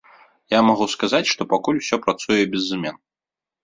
Я магу сказаць, што пакуль усё працуе без змен.